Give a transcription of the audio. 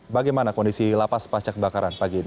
bagaimana kondisi lapas pasca kebakaran pagi ini